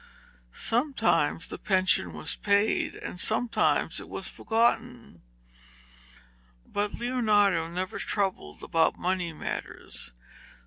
Sometimes the pension was paid, and sometimes it was forgotten, but Leonardo never troubled about money matters.